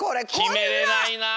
きめれないなあ。